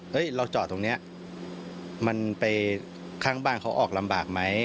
เราจอดตรงนี้มันไปข้างบ้านเขาออกลำบากไหม